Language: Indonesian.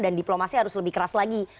dan diplomasi harus lebih keras lagi